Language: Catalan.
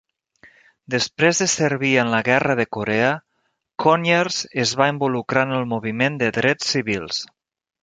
Després de servir en la Guerra de Corea, Conyers es va involucrar en el moviment de drets civils.